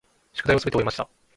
宿題をすべて終えました。